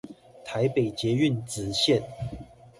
台北捷運紫線